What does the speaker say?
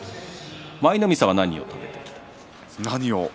舞の海さんは何を食べていましたか？